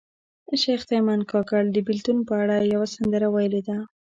شیخ تیمن کاکړ د بیلتون په اړه یوه سندره ویلې ده